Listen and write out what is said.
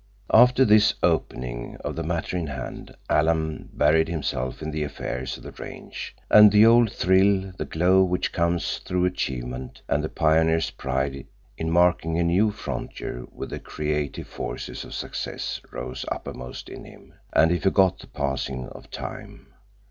After this opening of the matter in hand Alan buried himself in the affairs of the range, and the old thrill, the glow which comes through achievement, and the pioneer's pride in marking a new frontier with the creative forces of success rose uppermost in him, and he forgot the passing of time.